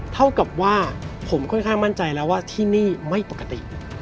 เท่ากับว่าผมค่อนข้างมั่นใจแล้วว่าที่นี่ไม่ปกติ